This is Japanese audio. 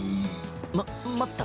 ま待った？